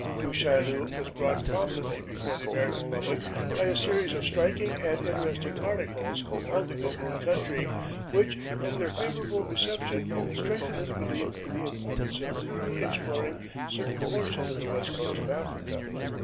Du Chaillu was brought prominently before the American public by a series of striking and interesting articles on the Gaboon country, which from their favorable reception strengthened his belief in the importance of thoroughly exploring certain portions of the west coast of Africa.